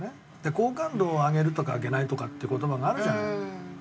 好感度を上げるとか上げないとかって言葉があるじゃない。